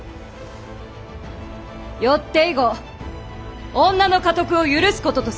よって以後女の家督を許すこととす！